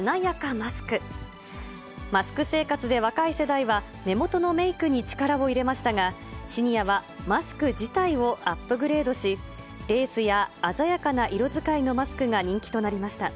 マスク生活で若い世代は目元のメークに力を入れましたが、シニアはマスク自体をアップグレードし、レースや鮮やかな色使いのマスクが人気となりました。